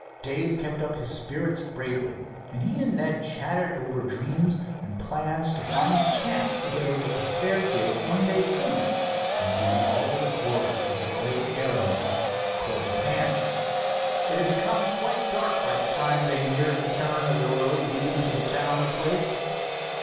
Dave kept up his spirits bravely, and he and Ned chatted over dreams and plans to find a chance to get over to Fairfield some day soon, and view all the glories of the great aero meet close at hand. It had become quite dark by the time they neared the turn in the road leading to the Towner place.